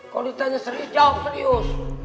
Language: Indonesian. kalau ditanya serius jawab serius